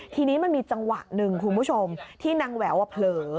ทีนี้มันมีจังหวะหนึ่งคุณผู้ชมที่นางแหววเผลอ